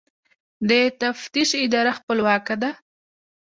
د تفتیش اداره خپلواکه ده؟